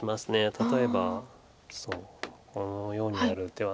例えばこのようにやる手は。